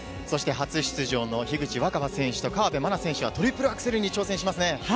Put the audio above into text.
そして初出場の樋口新葉選手と河辺愛菜選手は、トリプルアクセルに挑戦しますね。